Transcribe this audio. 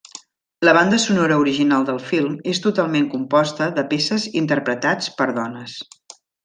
La banda sonora original del film és totalment composta de peces interpretats per dones.